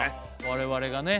我々がね